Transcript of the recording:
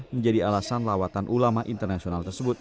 menjadi alasan lawatan ulama internasional tersebut